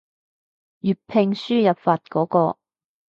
粵拼輸入法嗰個